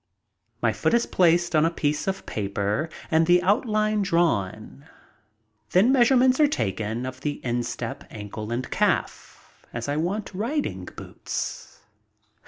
My foot is placed on a piece of paper and the outline drawn. Then measurements are taken of the instep, ankle and calf, as I want riding boots.